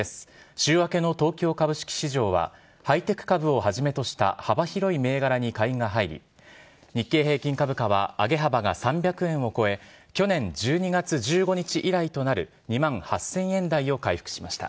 週明けの東京株式市場は、ハイテク株をはじめとした幅広い銘柄に買いが入り、日経平均株価は上げ幅が３００円を超え、去年１２月１５日以来となる、２万８０００円台を回復しました。